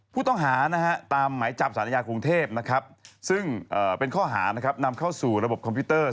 ผู้ต้องหานะฮะตามหมายจับศาลนิยากรุงเทพนะครับซึ่งเป็นข้อหานนะครับนำเข้าสู่ระบบคอมพิวเตอร์